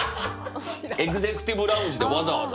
エグゼクティブラウンジでわざわざ。